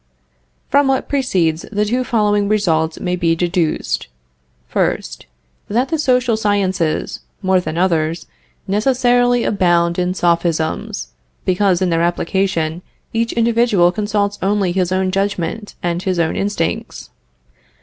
From what precedes, the two following results may be deduced: 1st. That the social sciences, more than others, necessarily abound in Sophisms, because in their application, each individual consults only his own judgment and his own instincts.